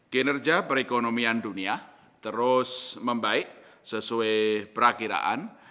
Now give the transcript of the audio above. kinerja perekonomian dunia terus membaik sesuai perakiraan